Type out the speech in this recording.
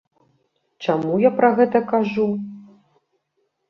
Чаму я пра гэта кажу?